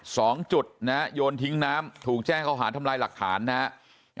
สองจุดนะฮะโยนทิ้งน้ำถูกแจ้งเขาหาทำลายหลักฐานนะฮะ